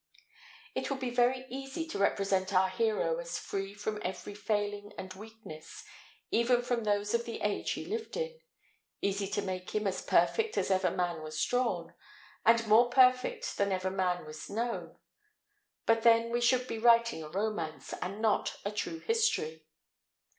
It would be very easy to represent our hero as free from every failing and weakness, even from those of the age he lived in; easy to make him as perfect as ever man was drawn, and more perfect than ever man was known: but then we should be writing a romance, and not a true history.